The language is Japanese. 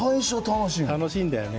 楽しいんだよね。